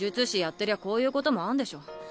てりゃこういうこともあんでしょ。